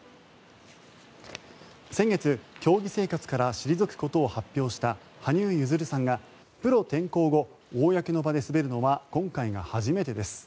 先月、競技生活から退くことを発表した羽生結弦さんがプロ転向後、公の場で滑るのは今回が初めてです。